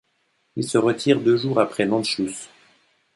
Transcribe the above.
Il se retire deux jours après l'Anschluss.